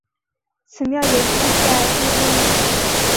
此庙也祭拜医公医婆。